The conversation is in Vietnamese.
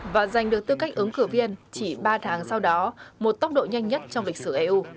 và giành được tư cách ứng cử viên chỉ ba tháng sau đó một tốc độ nhanh nhất trong lịch sử eu